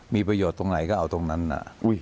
มีประโยชน์ตรงไหนก็เอาตรงนั้นนะ